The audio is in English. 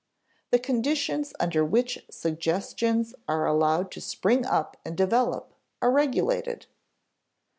_The conditions under which suggestions are allowed to spring up and develop are regulated.